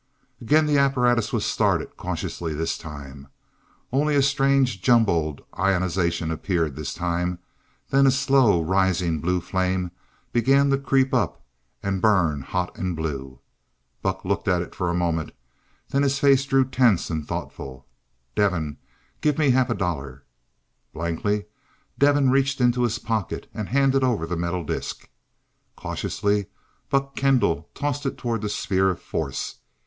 Again the apparatus was started, cautiously this time. Only a strange jumbled ionization appeared this time, then a slow, rising blue flame began to creep up, and burn hot and blue. Buck looked at it for a moment, then his face grew tense and thoughtful. "Devin give me a half dollar." Blankly, Devin reached in his pocket, and handed over the metal disc. Cautiously Buck Kendall tossed it toward the sphere of force.